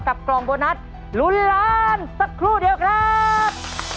กล่องโบนัสลุ้นล้านสักครู่เดียวครับ